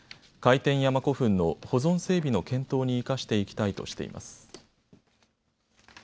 快天山古墳の保存整備の検討に生かしていきたいとしています。